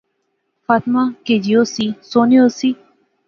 فاطمہ کئی جئی ہوسی؟ سوہنی ہوسی